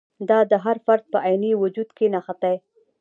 دا د هر فرد په عیني وجود کې نغښتی.